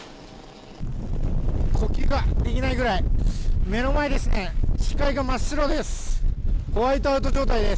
呼吸ができないぐらい目の前の視界が真っ白です。